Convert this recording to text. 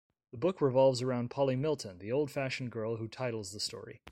The book revolves around Polly Milton, the old-fashioned girl who titles the story.